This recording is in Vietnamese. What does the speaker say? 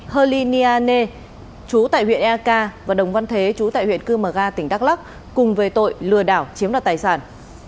hơ ly nia nê chú tại huyện ea ca và đồng văn thế chú tại huyện cư mờ ga tỉnh đắk lắk cùng về tội lừa đảo chiếm đặt tài sản